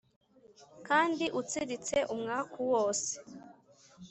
kandi utsiritse umwaku wose